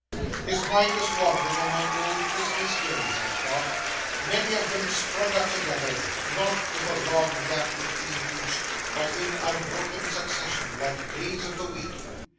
His mind was wandering among old Christmas days, I thought. Many of them sprung up together, not with a long gap between each, but in unbroken succession like days of the week.